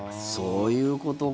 そういうことか。